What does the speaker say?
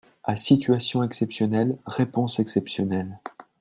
À situation exceptionnelle, réponses exceptionnelles.